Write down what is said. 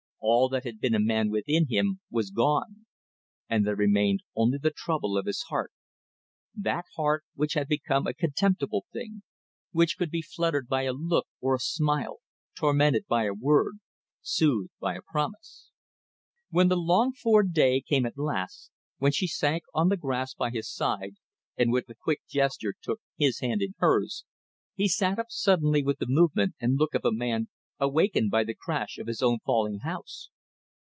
All that had been a man within him was gone, and there remained only the trouble of his heart that heart which had become a contemptible thing; which could be fluttered by a look or a smile, tormented by a word, soothed by a promise. When the longed for day came at last, when she sank on the grass by his side and with a quick gesture took his hand in hers, he sat up suddenly with the movement and look of a man awakened by the crash of his own falling house.